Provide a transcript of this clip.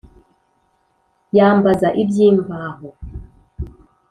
yambaza iby’imvaho